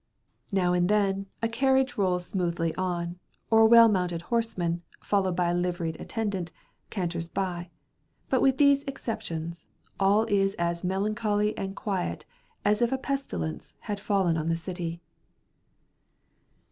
Now and then, a carriage rolls smoothly on, or a well mounted horseman, followed by a liveried attendant, canters by; but with these exceptions, all is as melancholy and quiet as if a pestilence had fallen on the city.